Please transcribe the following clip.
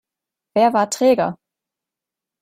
Wer war träger?